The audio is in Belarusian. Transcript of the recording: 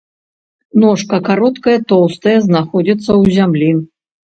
Ножка кароткая, тоўстая, знаходзіцца ў зямлі.